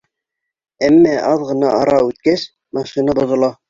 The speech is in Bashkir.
Әммә, аҙ ғына ара үткәс, машина боҙола.